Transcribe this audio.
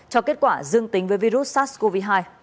cho kết quả dương tính với virus sars cov hai